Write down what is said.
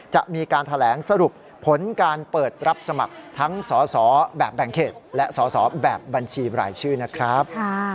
จะมีการแถลงสรุปผลการเปิดรับสมัครทั้งสอสอแบบแบ่งเขตและสอสอแบบบัญชีรายชื่อนะครับ